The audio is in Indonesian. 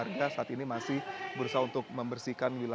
memang karena warga saat ini masih berusaha untuk membersihkan rumah mereka